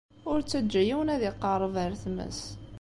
Ur ttaǧǧa yiwen ad iqeṛṛeb ar tmes.